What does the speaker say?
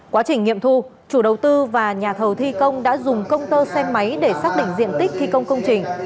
quá trình nghiệm thu chủ đầu tư và nhà thầu thi công đã dùng công tơ xe máy để xác định diện tích thi công công trình